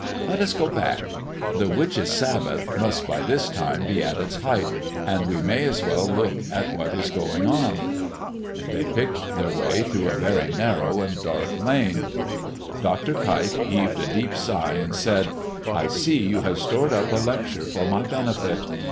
Let us go back. The 'Witches' Sabbath' must by this time be at its height, and we may as well look at what is going on." They picked their way through a very narrow and dark lane. Dr. Keif heaved a deep sigh and said "I see you have stored up a lecture for my benefit.